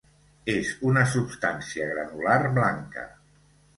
És una substància granular blanca.